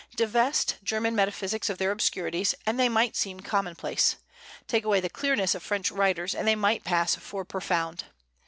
Divest German metaphysics of their obscurities, and they might seem commonplace; take away the clearness of French writers, and they might pass for profound.